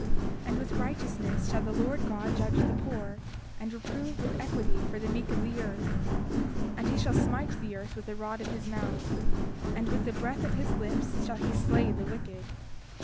30:9 And with righteousness shall the Lord God judge the poor, and reprove with equity for the meek of the earth. And he shall smite the earth with the rod of his mouth; and with the breath of his lips shall he slay the wicked.